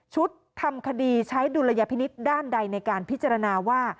ทำคดีใช้ดุลยพินิษฐ์ด้านใดในการพิจารณาว่า